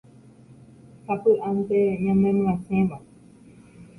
sapy'ánte ñanemyasẽva